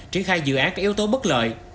triển khai dự án có yếu tố bất lợi